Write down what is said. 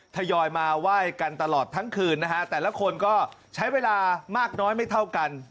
ทยอยมาไหว้กันตลอดทั้งคืนนะฮะแต่ละคนก็ใช้เวลามากน้อยไม่เท่ากัน